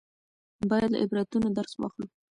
باید له عبرتونو درس واخلو.